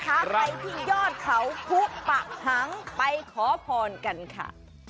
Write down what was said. ใครที่ยอดเขาผู้ปะหังไปขอพรกันค่ะ